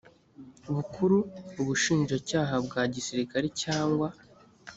bukuru ubushinjacyaha bwa gisirikare cyangwa